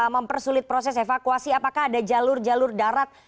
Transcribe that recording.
mempersulit proses evakuasi apakah ada jalur jalur darat